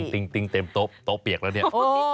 ตีงเปลี่ยงโต๊ะเปียกเราเนี่ย